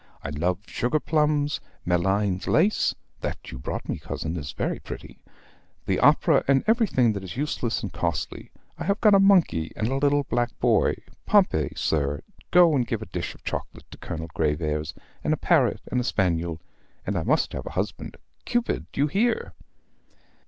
I love sugar plums, Malines lace (that you brought me, cousin, is very pretty), the opera, and everything that is useless and costly. I have got a monkey and a little black boy Pompey, sir, go and give a dish of chocolate to Colonel Graveairs, and a parrot and a spaniel, and I must have a husband. Cupid, you hear?"